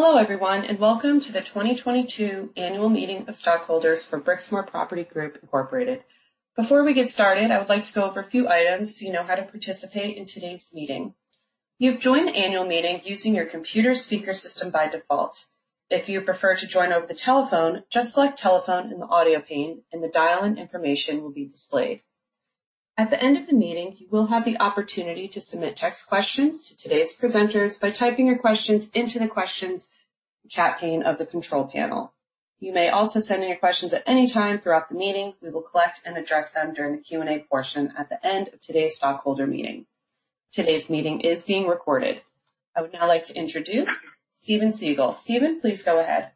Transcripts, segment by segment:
Hello everyone, and welcome to the 2022 Annual Meeting of Stockholders for Brixmor Property Group Incorporated. Before we get started, I would like to go over a few items so you know how to participate in today's meeting. You've joined the annual meeting using your computer speaker system by default. If you prefer to join over the telephone, just select Telephone in the audio pane and the dial-in information will be displayed. At the end of the meeting, you will have the opportunity to submit text questions to today's presenters by typing your questions into the questions chat pane of the control panel. You may also send in your questions at any time throughout the meeting. We will collect and address them during the Q&A portion at the end of today's stockholder meeting. Today's meeting is being recorded. I would now like to introduce Steven Siegel. Steven, please go ahead.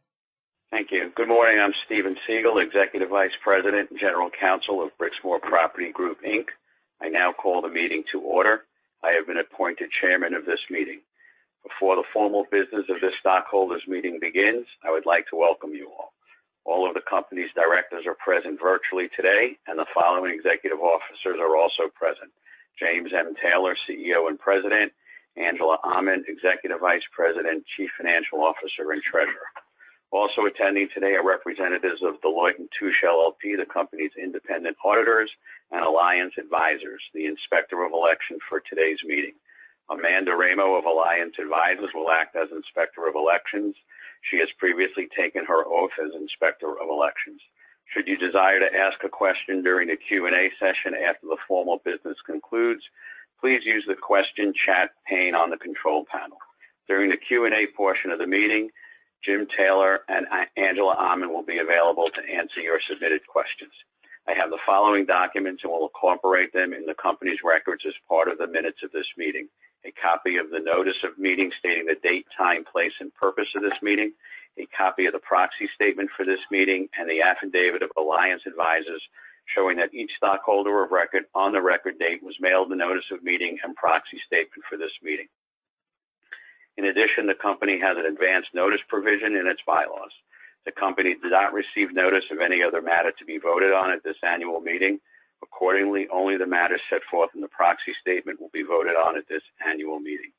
Thank you. Good morning. I'm Steven Siegel, Executive Vice President and General Counsel of Brixmor Property Group Inc. I now call the meeting to order. I have been appointed chairman of this meeting. Before the formal business of this stockholders meeting begins, I would like to welcome you all. All of the company's directors are present virtually today, and the following executive officers are also present: James M. Taylor, CEO and President, Angela Aman, Executive Vice President, Chief Financial Officer, and Treasurer. Also attending today are representatives of Deloitte & Touche LLP, the company's independent auditors, and Alliance Advisors, the Inspector of Election for today's meeting. Amanda Raimo of Alliance Advisors will act as Inspector of Elections. She has previously taken her oath as Inspector of Elections. Should you desire to ask a question during the Q&A session after the formal business concludes, please use the question chat pane on the control panel. During the Q&A portion of the meeting, Jim Taylor and Angela Aman will be available to answer your submitted questions. I have the following documents, and we'll incorporate them in the company's records as part of the minutes of this meeting. A copy of the notice of meeting stating the date, time, place, and purpose of this meeting, a copy of the proxy statement for this meeting, and the affidavit of Alliance Advisors showing that each stockholder of record on the record date was mailed the notice of meeting and proxy statement for this meeting. In addition, the company has an advanced notice provision in its bylaws. The company did not receive notice of any other matter to be voted on at this annual meeting. Accordingly, only the matters set forth in the proxy statement will be voted on at this annual meeting.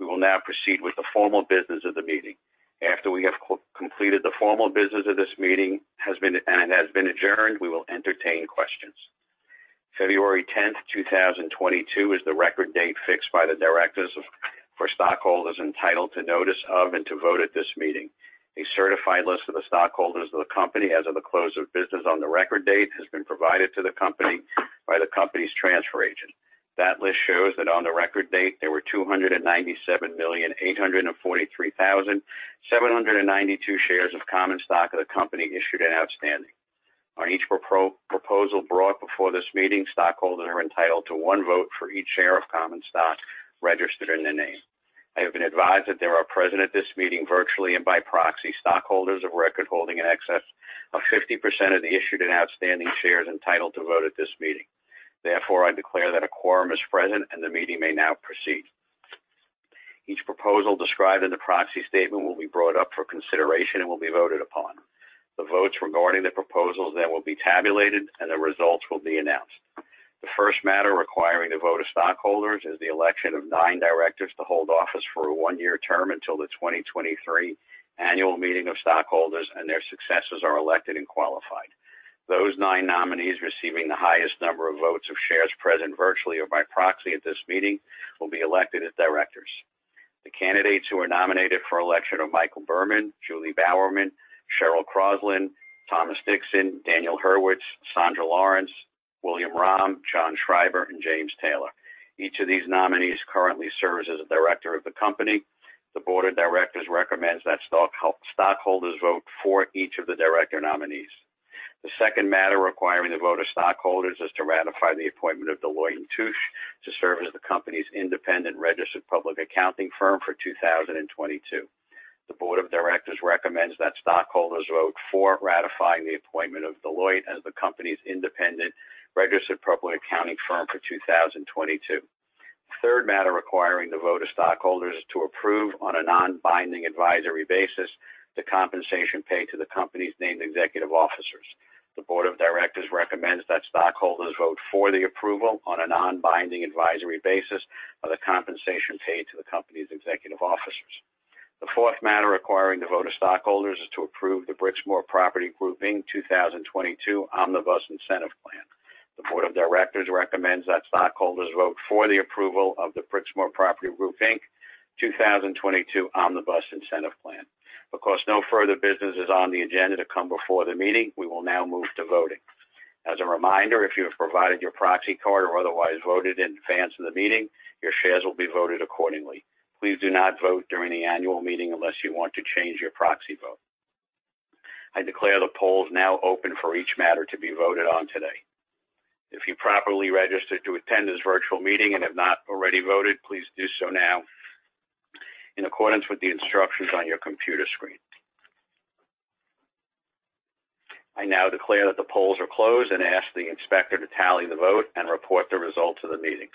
We will now proceed with the formal business of the meeting. After we have completed the formal business of this meeting and it has been adjourned, we will entertain questions. 10 February 2022 is the record date fixed by the directors for stockholders entitled to notice of and to vote at this meeting. A certified list of the stockholders of the company as of the close of business on the record date has been provided to the company by the company's transfer agent. That list shows that on the record date, there were 297,843,792 shares of common stock of the company issued and outstanding. On each proposal brought before this meeting, stockholders are entitled to one vote for each share of common stock registered in their name. I have been advised that there are present at this meeting, virtually and by proxy, stockholders of record holding in excess of 50% of the issued and outstanding shares entitled to vote at this meeting. Therefore, I declare that a quorum is present, and the meeting may now proceed. Each proposal described in the proxy statement will be brought up for consideration and will be voted upon. The votes regarding the proposals then will be tabulated, and the results will be announced. The first matter requiring the vote of stockholders is the election of nine directors to hold office for a one-year term until the 2023 annual meeting of stockholders and their successors are elected and qualified. Those nine nominees receiving the highest number of votes of shares present, virtually or by proxy at this meeting, will be elected as directors. The candidates who are nominated for election are Michael Berman, Julie Bowerman, Sheryl Crosland, Thomas Dickson, Daniel Hurwitz, Sandra Lawrence, William Rahm, John Schreiber, and James Taylor. Each of these nominees currently serves as a director of the company. The board of directors recommends that stockholders vote for each of the director nominees. The second matter requiring the vote of stockholders is to ratify the appointment of Deloitte & Touche to serve as the company's independent registered public accounting firm for 2022. The board of directors recommends that stockholders vote for ratifying the appointment of Deloitte as the company's independent registered public accounting firm for 2022. The third matter requiring the vote of stockholders is to approve on a non-binding advisory basis the compensation paid to the company's named executive officers. The board of directors recommends that stockholders vote for the approval on a non-binding advisory basis of the compensation paid to the company's executive officers. The fourth matter requiring the vote of stockholders is to approve the Brixmor Property Group Inc. 2022 Omnibus Incentive Plan. The board of directors recommends that stockholders vote for the approval of the Brixmor Property Group Inc. 2022 Omnibus Incentive Plan. Because no further business is on the agenda to come before the meeting, we will now move to voting. As a reminder, if you have provided your proxy card or otherwise voted in advance of the meeting, your shares will be voted accordingly. Please do not vote during the annual meeting unless you want to change your proxy vote. I declare the polls now open for each matter to be voted on today. If you properly registered to attend this virtual meeting and have not already voted, please do so now in accordance with the instructions on your computer screen. I now declare that the polls are closed and ask the inspector to tally the vote and report the results of the meeting.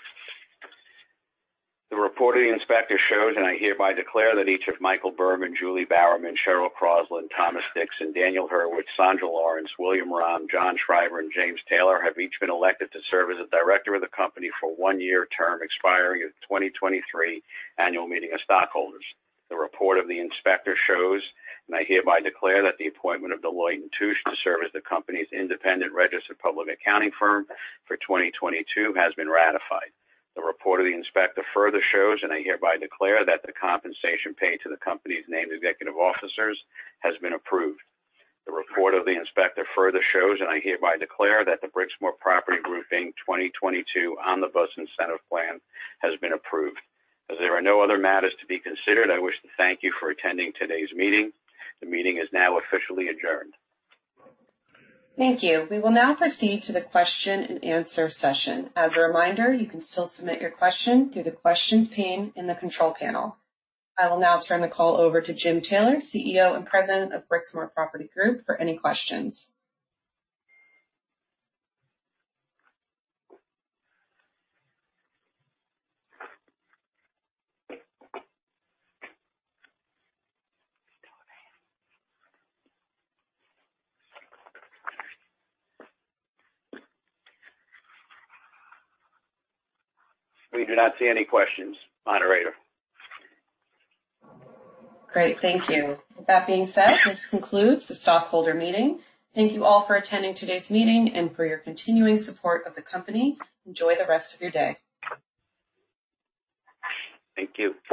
The report of the inspector shows, and I hereby declare that each of Michael Berman, Julie Bowerman, Sheryl Crosland, Thomas Dickson, Daniel Hurwitz, Sandra Lawrence, William Rahm, John Schreiber, and James Taylor have each been elected to serve as a director of the company for a one-year term expiring at the 2023 Annual Meeting of Stockholders. The report of the inspector shows, and I hereby declare that the appointment of Deloitte & Touche to serve as the company's independent registered public accounting firm for 2022 has been ratified. The report of the inspector further shows, and I hereby declare that the compensation paid to the company's named executive officers has been approved. The report of the inspector further shows, and I hereby declare that the Brixmor Property Group Inc. 2022 Omnibus Incentive Plan has been approved. As there are no other matters to be considered, I wish to thank you for attending today's meeting. The meeting is now officially adjourned. Thank you. We will now proceed to the question and answer session. As a reminder, you can still submit your question through the questions pane in the control panel. I will now turn the call over to Jim Taylor, CEO and President of Brixmor Property Group, for any questions. We do not see any questions, moderator. Great. Thank you. With that being said, this concludes the stockholder meeting. Thank you all for attending today's meeting and for your continuing support of the company. Enjoy the rest of your day. Thank you.